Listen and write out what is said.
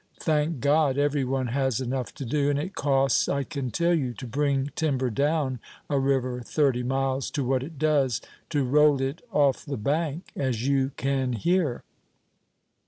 Thank God, every one has enough to do; and it costs, I can tell you, to bring timber down a river thirty miles, to what it does to roll it off the bank, as you can here."